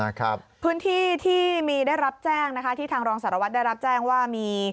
ครับพื้นที่ที่มีได้รับแจ้งนะคะที่ทางรองสารวัตรได้รับแจ้งว่ามี